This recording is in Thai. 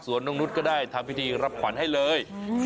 ส่วนน้องนุษย์ก็ได้ทำพิธีรับขวัญให้เลย